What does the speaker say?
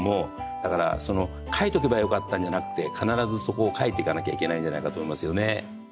だからその描いておけばよかったんじゃなくて必ずそこを描いていかなきゃいけないんじゃないかと思いますよね。